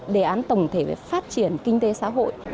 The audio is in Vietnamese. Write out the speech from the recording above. đề án tổng thể về phát triển kinh tế xã hội